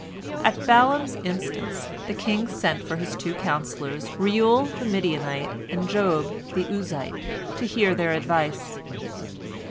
At Balaam's instance, the king sent for his two counsellors, Reuel the Midianite and Job the Uzite, to hear their advice.